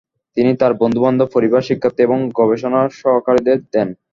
তিনি তাঁর বন্ধু-বান্ধব, পরিবার, শিক্ষার্থী এবং গবেষণা সহকারীদের দেন।